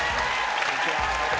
こんにちは。